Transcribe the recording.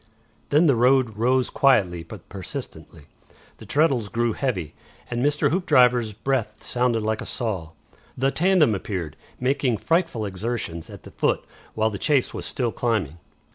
Then the road rose quietly but persistently; the treadles grew heavy, and Mr. Hoopdriver's breath sounded like a saw. The tandem appeared, making frightful exertions, at the foot, while the chase was still climbing.